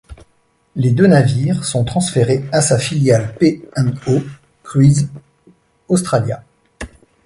Les deux navires sont transférés à sa filiale P & O Cruises Australia.